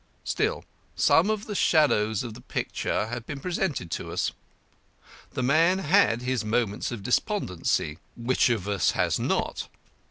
Still, some of the shadows of the picture have been presented to us. The man had his moments of despondency as which of us has not?